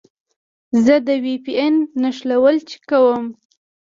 زه د وي پي این نښلون چک کوم.